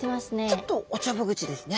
ちょっとおちょぼ口ですね。